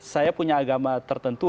saya punya agama tertentu